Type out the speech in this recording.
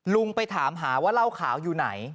ลุงไปถามหาว่าเล่าข่าวอยู่ไหน